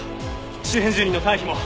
周辺住人の退避も！